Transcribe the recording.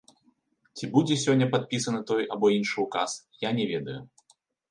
Ці будзе сёння падпісаны той або іншы ўказ, я не ведаю.